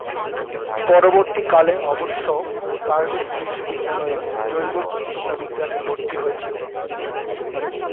পরবর্তীকালে অবশ্য কার্ডিফ বিশ্ববিদ্যালয়ে জৈব চিকিৎসা বিজ্ঞানে ভর্তি হয়েছিলেন।